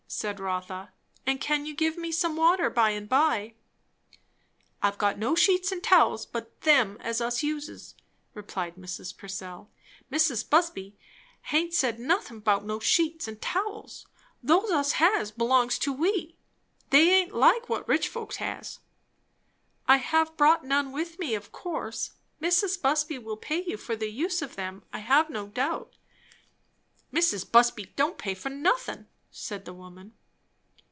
said Rotha. "And can you give me some water by and by?" "I've got no sheets and towels but them as us uses," replied Mrs. Purcell. "Mrs Busby haint said nothin' about no sheets and towels. Those us has belongs to we. They aint like what rich folks has." "I have brought none with me, of course. Mrs. Busby will pay you for the use of them, I have no doubt." "Mrs. Busby don't pay for nothin'," said the woman.